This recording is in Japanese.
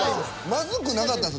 まずくなかったです